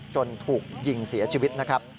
จนถูกยิงเสียชีวิต